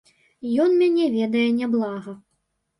Ён мяне ведае няблага.